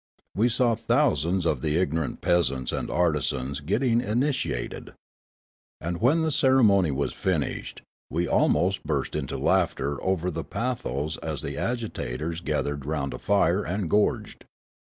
We saw thousands of the ignorant peasants and artisans getting initiated. And when the ceremony was finished we almost burst into laughter over the pathos as the agitators gathered round a fire and gorged.